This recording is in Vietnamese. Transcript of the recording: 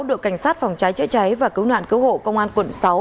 đội cảnh sát phòng cháy chữa cháy và cứu nạn cứu hộ công an quận sáu